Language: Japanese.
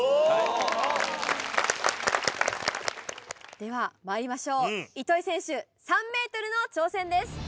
ではまいりましょう糸井選手３ｍの挑戦です。